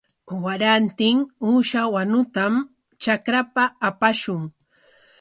Warantin uusha wanutam trakrapa apashun.